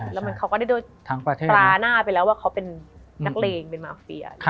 แล้วเหมือนเขาก็ได้ด้วยตราหน้าไปแล้วว่าเขาเป็นนักเลงเป็นมาเฟีย